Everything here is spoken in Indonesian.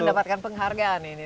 yang mendapatkan penghargaan ini